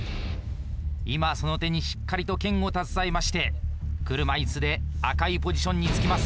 今その手にしっかりと剣を携えまして車いすで赤いポジションにつきます。